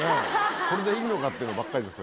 これでいいのか？ってのばっかりですけどね。